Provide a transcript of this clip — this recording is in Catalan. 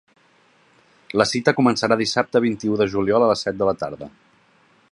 La cita començarà dissabte vint-i-u de juliol a les set de la tarda.